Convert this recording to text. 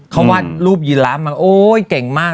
เขาวาดรูปยีลาฟมาโอ๊ยเก่งมาก